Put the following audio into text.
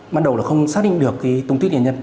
ban đầu là không xác định được cái thương tích của nạn nhân